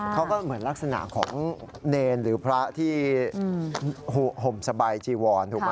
เขาก็เหมือนลักษณะของเนรหรือพระที่ห่มสบายจีวรถูกไหม